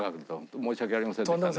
申し訳ありませんでしたね。